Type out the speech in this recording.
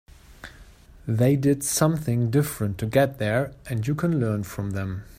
They did something different to get there and you can learn from them.